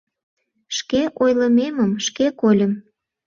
Шке ойлымемым шке кольым: